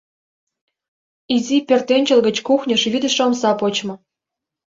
Изи пӧртӧнчыл гыч кухньыш вӱдышӧ омса почмо.